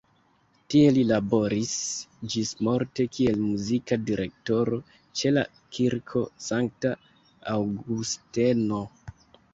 Tie li laboris ĝismorte kiel muzika direktoro ĉe la Kirko Sankta Aŭgusteno.